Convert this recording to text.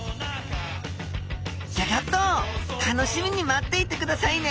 ギョギョッと楽しみに待っていてくださいね！